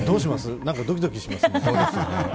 なんかドキドキします。